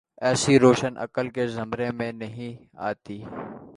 ایسی روش عقل کے زمرے میں نہیںآتی۔